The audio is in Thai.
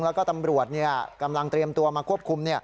แล้วก็ตำรวจกำลังเตรียมตัวมาควบคุม